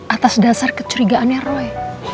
atas dasar kecurigaannya roy